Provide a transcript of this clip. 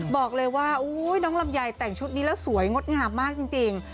บอกเลยว่าน้องลำไยแต่งชุดนี้แล้วสวยงดงามมากจริง